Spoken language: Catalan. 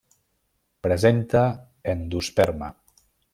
Presenta endosperma.